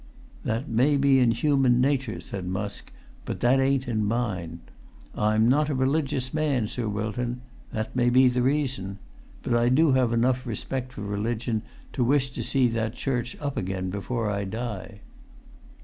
"That may be in human natur'," said Musk, "but that ain't in mine. I'm not a religious man, Sir Wilton. That may be the reason. But I do have enough respect for religion to wish to see that church up again before I die."